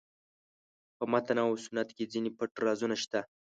په متن او سنت کې ځینې پټ رازونه شته.